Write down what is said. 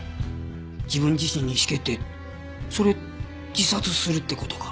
自分自身に死刑ってそれ自殺するって事か？